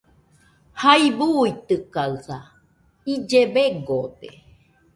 Jai buitɨkaɨsa , ille begode.